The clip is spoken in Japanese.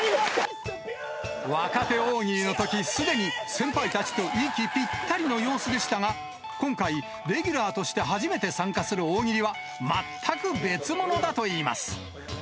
若手大喜利のとき、すでに、先輩たちと息ぴったりの様子でしたが、今回、レギュラーとして初めて参加する大喜利は、全く別物だといいます。